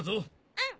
うん。